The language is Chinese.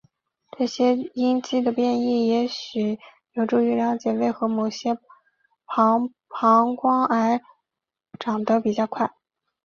这些因基的变异也许有助于了解为何某些膀膀胱癌长得比较快。